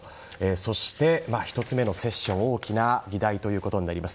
そして１つ目のセッション大きな議題ということになります。